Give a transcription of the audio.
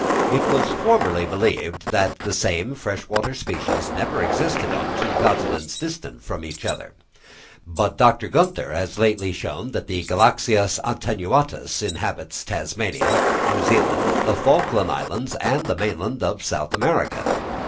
It was formerly believed that the same fresh water species never existed on two continents distant from each other. But Dr. Günther has lately shown that the Galaxias attenuatus inhabits Tasmania, New Zealand, the Falkland Islands and the mainland of South America.